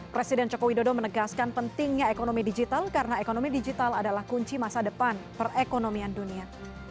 presiden joko widodo menegaskan pentingnya ekonomi digital karena ekonomi digital adalah kunci masa depan perekonomian dunia